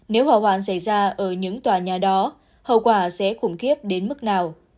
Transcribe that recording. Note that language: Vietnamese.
nếu hỏa hoạn xảy ra ở những tòa nhà đó hậu quả sẽ khủng khiếp đến mức nào